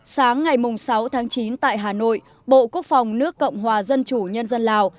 sáng ngày sáu tháng chín tại hà nội bộ quốc phòng nước cộng hòa dân chủ nhân dân lào